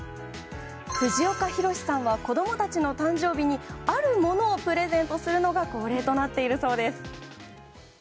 藤岡弘、さんは子供たちの誕生日にあるものをプレゼントするのが恒例となっているそうです。